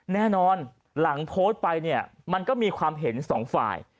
แน่นอนหลังโพสต์ไปเนี่ยมันก็มีความเห็นสองฝ่าย